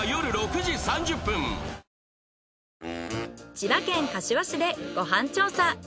千葉県柏市でご飯調査。